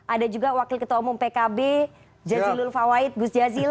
ada juga wakil ketua umum pkb jadjilul fawaid gus jadjil